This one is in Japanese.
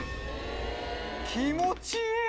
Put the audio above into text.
気持ちいい！